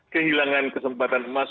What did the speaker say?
kehilangan kesempatan emas